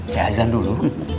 selesai ujian dulu